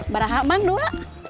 berapa bang dua